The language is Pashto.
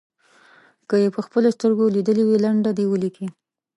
که یې په خپلو سترګو لیدلې وي لنډه دې ولیکي.